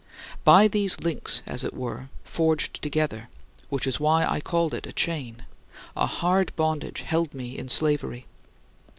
By these links, as it were, forged together which is why I called it "a chain" a hard bondage held me in slavery.